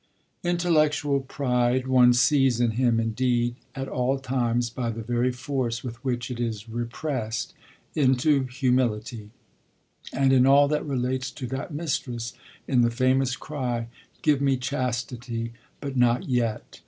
Intellectual pride, one sees in him indeed, at all times, by the very force with which it is repressed into humility; and, in all that relates to that mistress, in the famous cry: 'Give me chastity, but not yet!'